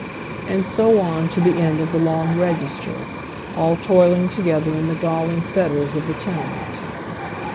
And so on to the end of the long register, all toiling together in the galling fetters of the tenement.